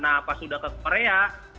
nah pas sudah ke korea